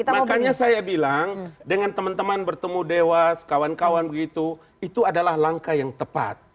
makanya saya bilang dengan teman teman bertemu dewas kawan kawan begitu itu adalah langkah yang tepat